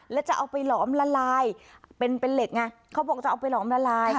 แล้วจะเอาไปหลอมละลายเป็นเหล็กไงเขาบอกจะเอาไปหลอมละลาย